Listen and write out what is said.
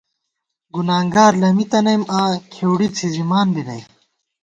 گُنانگار لَمی تَنَئیم آں، کھېؤڑی څھِزِمان بی نئ